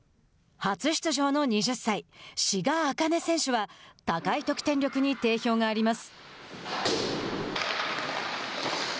初出場の２０歳志賀紅音選手は高い得点力に定評があります。